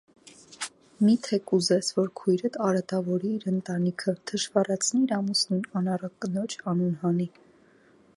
Մի՞թե կուզես, որ քույրդ արատավորի իր ընտանիքը, թշվառացնի իր ամուսնուն, անառակ կնոջ անուն հանի: